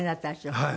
はい。